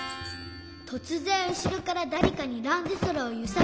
とつぜんうしろからだれかにランドセルをゆさぶられたり。